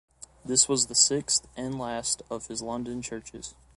This was the sixth and last, of his London churches.